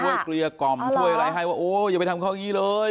ช่วยเคลียร์กรรมช่วยอะไรให้ว่าโอ้ยอย่าไปทำเขาอย่างงี้เลย